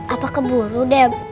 apa keburu dep